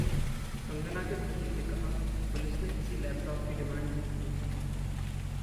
कंगना के वकील ने कहा, पुलिस ने किसी लैपटॉप की डिमांड नहीं की है